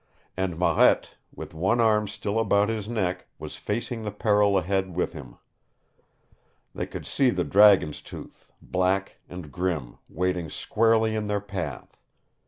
And Marette, with one arm still about his neck, was facing the peril ahead with him. They could see the Dragon's Tooth, black and grim, waiting squarely in their path.